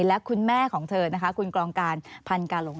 และคุณแม่ของเธอนะคะคุณกรองการพันกาหลง